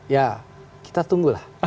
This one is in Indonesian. ya kita tunggulah